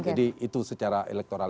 jadi itu secara elektoral